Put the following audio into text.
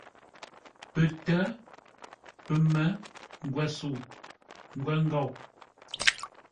Pətə́, pəmə́, ngwəsəu, ngwəngou.